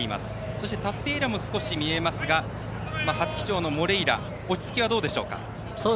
そして、タスティエーラも少し見えますが初騎乗のモレイラ落ち着きはどうでしょうか。